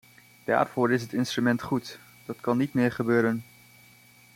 Daarvoor is het instrument goed, dat kan niet meer gebeuren.